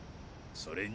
それに。